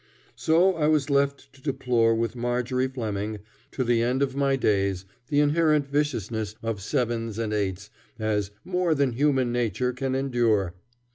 So I was left to deplore with Marjorie Fleming to the end of my days the inherent viciousness of sevens and eights, as "more than human nature can endure."